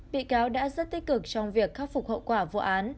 bị cáo đã rất tích cực trong việc khắc phục hậu quả vụ án